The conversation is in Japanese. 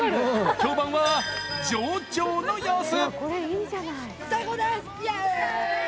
評判は上々の様子。